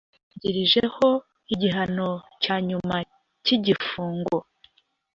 arangirijeho igihano cya nyuma cy igifungo